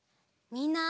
みんな！